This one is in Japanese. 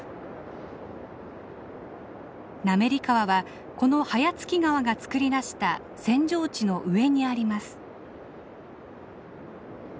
滑川はこの早月川が作り出した扇状地の上にあります。